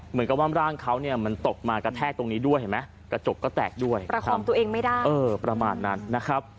เหมือนกับว่าร่างเขาเนี่ยมันตกมากระแทกตรงนี้ด้วยเห็นไหมกระจกก็แตกด้วยประคองตัวเองไม่ได้เออประมาณนั้นนะครับ